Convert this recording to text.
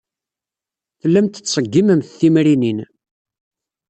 Tellamt tettṣeggimemt timrinin.